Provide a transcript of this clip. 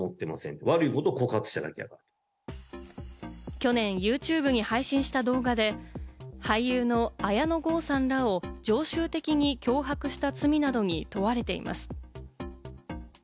去年、ユーチューブに配信した動画で、俳優の綾野剛さんらを常習的に脅迫した罪などに問われています。